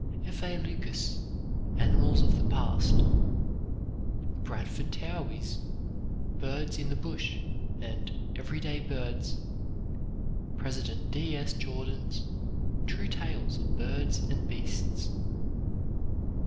F. A. Lucas' "Animals of the Past" Bradford Towey's "Birds in the Bush," and "Everyday Birds." President D. S. Jordan's "True Tales of Birds and Beasts."